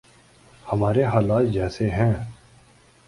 ہمارے حالات جیسے ہیں۔